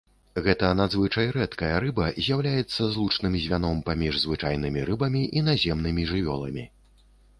Гэта надзвычай рэдкая рыба з'яўляецца злучным звяном паміж звычайнымі рыбамі і наземнымі жывёламі.